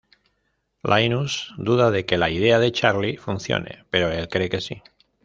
Linus duda de que la idea de Charlie funcione, pero el cree que sí.